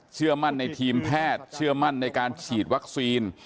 เชื่อมั่นในทีมแพทย์เชื่อมั่นในการฉีดวัคซีน